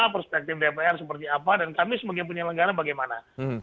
perspektif dpr seperti apa dan kami sebagai penyelenggara bagaimana